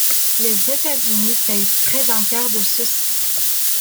Les États-Unis paient près d'un quart de ceux-ci.